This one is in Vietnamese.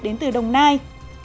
đến từ đồng nai